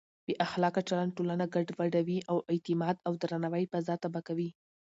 بې اخلاقه چلند ټولنه ګډوډوي او د اعتماد او درناوي فضا تباه کوي.